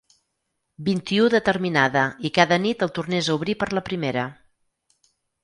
Vint-i-u determinada i cada nit el tornés a obrir per la primera.